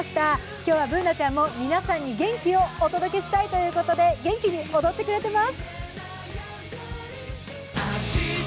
今日はＢｏｏｎａちゃんも皆さんに元気をお伝えしたいと元気に踊ってくれてます。